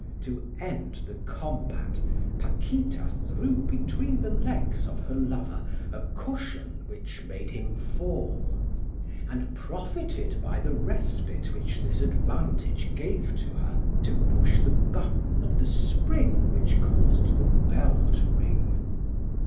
To end the combat Paquita threw between the legs of her lover a cushion which made him fall, and profited by the respite which this advantage gave to her, to push the button of the spring which caused the bell to ring.